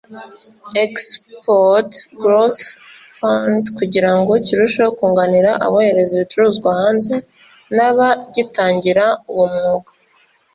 Export Growth Fund) kugirango kirusheho kunganira abohereza ibicuruzwa hanze n’abagitangira uwo mwuga